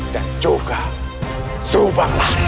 dan juga subang lahra